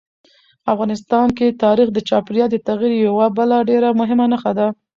افغانستان کې تاریخ د چاپېریال د تغیر یوه بله ډېره مهمه نښه ده.